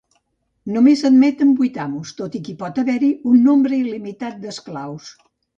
Només s'admeten vuit amos, tot i que pot haver-hi un nombre il·limitat d'esclaus.